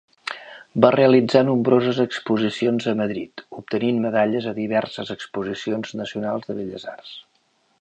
Va realitzar nombroses exposicions a Madrid, obtenint medalles a diverses exposicions Nacionals de Belles Arts.